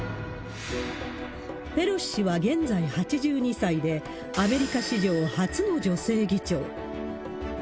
ペロシ氏は現在８２歳で、アメリカ史上初の女性議長。